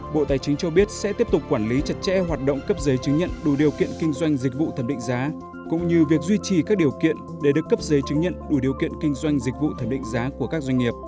bộ tài chính cho biết sẽ tiếp tục quản lý chặt chẽ hoạt động cấp giấy chứng nhận đủ điều kiện kinh doanh dịch vụ thẩm định giá cũng như việc duy trì các điều kiện để được cấp giấy chứng nhận đủ điều kiện kinh doanh dịch vụ thẩm định giá của các doanh nghiệp